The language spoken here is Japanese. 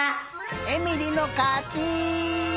えみりのかち！